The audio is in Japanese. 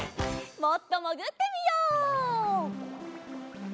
もっともぐってみよう。